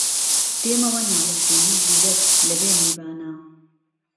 دێمەوە ناڵەشکێنەی زیرەک لەوێ میوانە